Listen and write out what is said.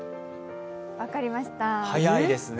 分かりました。